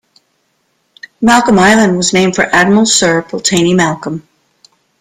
Malcolm Island was named for Admiral Sir Pulteney Malcolm.